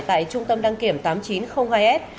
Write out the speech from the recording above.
tại trung tâm đăng kiểm tám nghìn chín trăm linh hai s